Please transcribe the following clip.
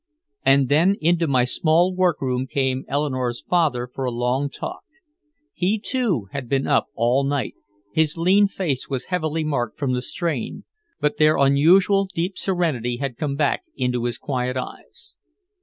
And then into my small workroom came Eleanore's father for a long talk. He too had been up all night, his lean face was heavily marked from the strain, but their usual deep serenity had come back into his quiet eyes.